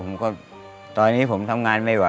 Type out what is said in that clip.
ผมก็ตอนนี้ผมทำงานไม่ไหว